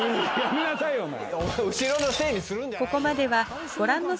見なさいよお前。